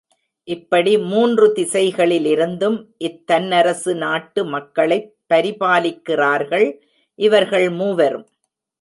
இப்படி மூன்று திசைகளிலிருந்தும் இத்தன்னரசு நாட்டு மக்களைப் பரிபாலிக்கிறார்கள் இவர்கள் மூவரும்.